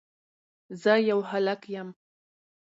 زه يو هلک يم